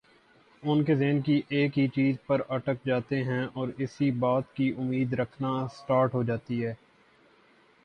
ان کے ذہن ایک ہی چیز پر اٹک جاتے ہیں اور اسی بات کی امید رکھنا اسٹارٹ ہو جاتی ہیں